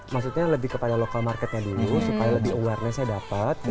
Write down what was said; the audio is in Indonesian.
maksudnya lebih kepada local marketnya dulu supaya lebih awarenessnya dapat